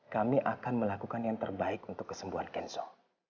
kami akan melakukan yang terbaik untuk kesembuhan cancel